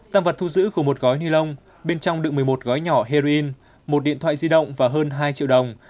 tàng vật thu giữ gồm một gói nilon bên trong đựng một mươi một gói nhỏ heroin một điện thoại di động và hơn hai triệu đồng